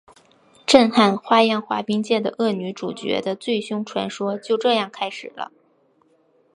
震撼花样滑冰界的恶女主角的最凶传说就这样开始了！